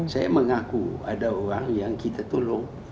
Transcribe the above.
saya mengaku ada orang yang kita tolong